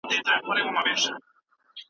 ټاکني ولي اړيني دي؟